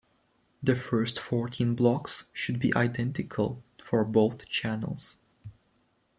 The first fourteen blocks should be identical for both channels.